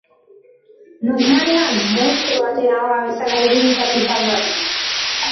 Normalean munstro baten ahoa bezala irudikatu izan da.